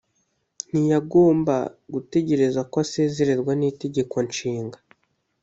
ntiyagomba gutegereza ko asezererwa n’Itegeko nshinga